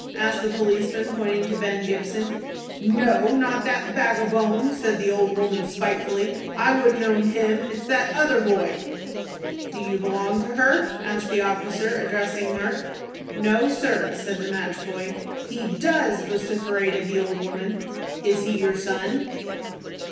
asked the policeman, pointing to Ben Gibson. "No, not that vagabone!" said the old woman, spitefully. "I wouldn't own him. It's that other boy." "Do you belong to her?" asked the officer, addressing Mark. "No, sir," said the match boy. "He does," vociferated the old woman. "Is he your son?"